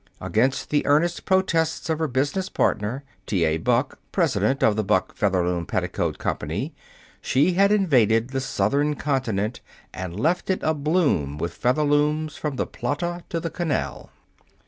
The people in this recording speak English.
Against the earnest protests of her business partner, T. A. Buck, president of the Buck Featherloom Petticoat Company, she had invaded the southern continent and left it abloom with Featherlooms from the Plata to the Canal.